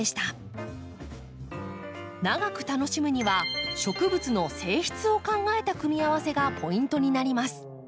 長く楽しむには植物の性質を考えた組み合わせがポイントになります。